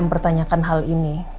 mempertanyakan hal ini